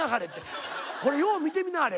これよう見てみなはれ。